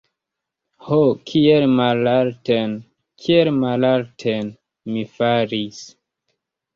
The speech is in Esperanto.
Ho, kiel malalten, kiel malalten mi falis!